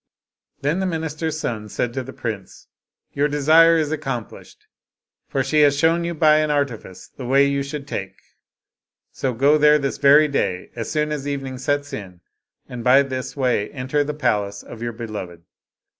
Then the minister's son said to the prince, "Your desire is accomplished, for she has shown you by an artifice the way you should take ; so go there this very day, as soon as evening sets in, and by this way enter the palace of your beloved."